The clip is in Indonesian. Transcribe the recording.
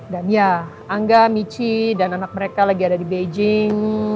ya angga michi dan anak mereka lagi ada di beijing